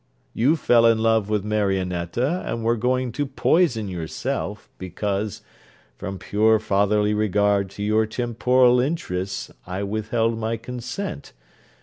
You fell in love with Marionetta, and were going to poison yourself, because, from pure fatherly regard to your temporal interests, I withheld my consent.